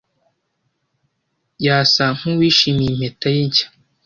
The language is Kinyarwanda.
Yasa nkuwishimiye impeta ye nshya.